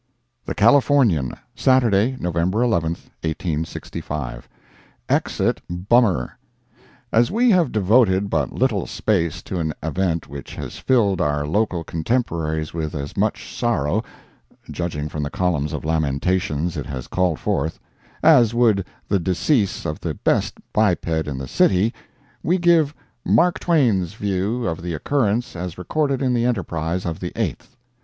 THE CALIFORNIAN, Saturday, November 11, 1865 EXIT "BUMMER."—As we have devoted but little space to an event which has filled our local contemporaries with as much sorrow (judging from the columns of lamentations it has called forth) as would the decease of the best biped in the city, we give "Mark Twain's" view of the occurrence as recorded in the ENTERPRISE of the 8th.